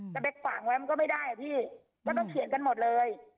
แต่เบ็กฝั่งไว้มันก็ไม่ได้อ่ะพี่ก็ต้องเขียนกันหมดเลย